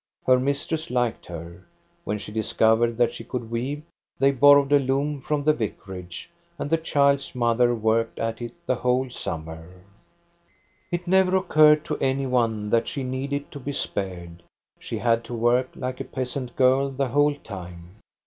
Her mistress liked her ; when she discovered that she could weave, they borrowed a loom from the vicar age, and the child's mother worked at it the whole summer. It never occurred to any one that she needed to be spared ; she had to work like a peasant girl the whole time.